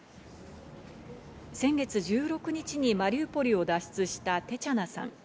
先月１６日にマリウポリを脱出したテチャナさん。